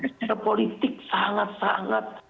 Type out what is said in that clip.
secara politik sangat sangat